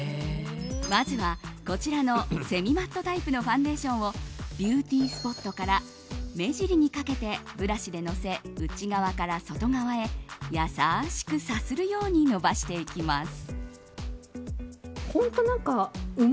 まずはこちらのセミマットタイプのファンデーションをビューティースポットから目尻にかけてブラシでのせ内側から外側へ優しくさするようにのばしていきます。